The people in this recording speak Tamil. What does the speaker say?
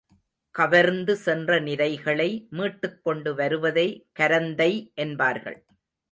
கவர்ந்து சென்ற நிரைகளை மீட்டுக் கொண்டு வருவதை கரந்தை என்பார்கள்.